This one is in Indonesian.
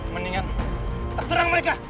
mendingan kita serang mereka